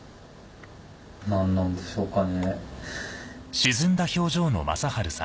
何なんでしょうかね。